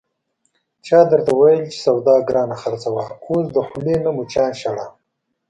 چا درته ویل چې سودا گرانه خرڅوه، اوس د خولې نه مچان شړه...